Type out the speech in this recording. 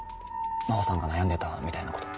真帆さんが悩んでたみたいなこと。